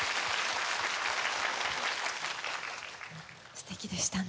すてきでしたね。